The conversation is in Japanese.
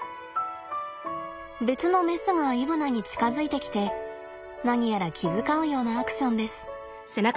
別のメスがイブナに近づいてきて何やら気遣うようなアクションです。